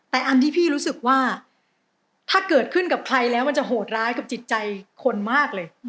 แต่อันที่พี่รู้สึกว่าถ้าเกิดขึ้นกับใครแล้วมันจะโหดร้ายกับจิตใจคนมากเลย